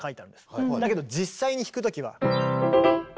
だけど実際に弾く時は。